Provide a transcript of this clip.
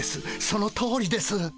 そのとおりです。